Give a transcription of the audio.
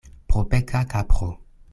Propeka kapro.